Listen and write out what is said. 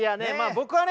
僕はね